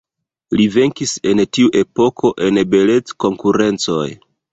Li venkis en tiu epoko en beleckonkurencoj.